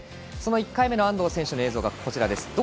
その１回目の安藤選手の映像がこちらです。